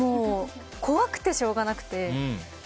怖くてしょうがなくて。